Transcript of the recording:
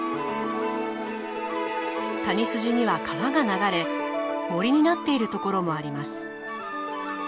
谷筋には川が流れ森になっているところもあります。